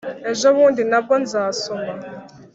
Ejobundi na bwo nzasoma